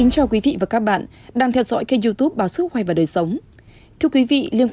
cảm ơn các bạn đã theo dõi